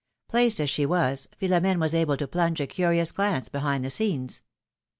Placed as she was, Philom^ne was able to plunge a curious glance behind the scenes.